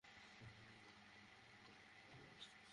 দিন যতই যেতে থাকে, সেই পসরা ফুটপাত থেকে নেমে আসে সড়কে।